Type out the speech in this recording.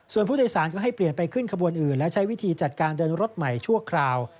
ส่วนผู้โดยสารก็ให้เปลี่ยนไปขึ้นขบวนอื่นและใช้วิธีจัดการเดินรถใหม่ชั่วคราว